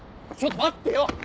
ちょっと待ってよ！